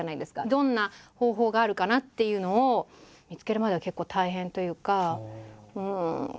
どんな方法があるかなっていうのを見つけるまでは結構大変というか。